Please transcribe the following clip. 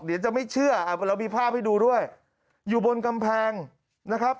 เดี๋ยวจะไม่เชื่อเรามีภาพให้ดูด้วยอยู่บนกำแพงนะครับ